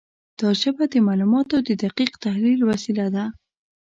دا ژبه د معلوماتو د دقیق تحلیل وسیله ده.